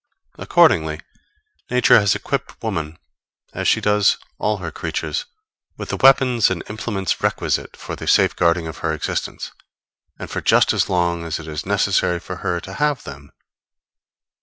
Accordingly, Nature has equipped woman, as she does all her creatures, with the weapons and implements requisite for the safeguarding of her existence, and for just as long as it is necessary for her to have them.